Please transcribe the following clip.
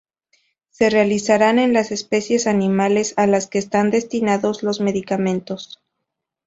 Se realizarán en las especies animales a las que están destinados los medicamentos.